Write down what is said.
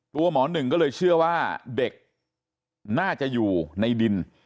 หมอหนึ่งก็เลยเชื่อว่าเด็กน่าจะอยู่ในดิน